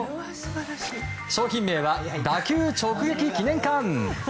商品名は、打球直撃記念缶。